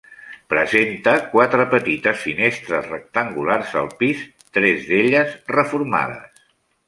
Presenta quatre petites finestres rectangulars al pis, tres d'elles reformades.